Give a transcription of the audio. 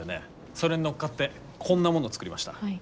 それに乗っかってこんなものを作りました。